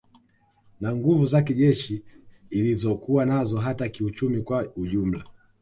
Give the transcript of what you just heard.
Na nguvu za kijeshi ilizokuwa nazo hata kiuchumi kwa ujumla